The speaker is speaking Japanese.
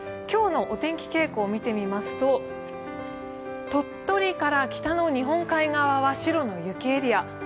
今日のお天気傾向を見てみますと、鳥取から北の日本海側は白の雪エリア。